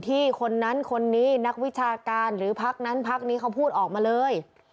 คนนั้นคนนี้นักวิชาการหรือพักนั้นพักนี้เขาพูดออกมาเลย